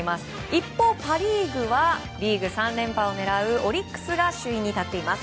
一方、パ・リーグはリーグ３連覇を狙うオリックスが首位に立っています。